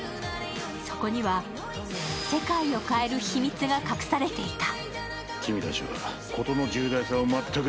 そこには世界を秘密が隠されていた。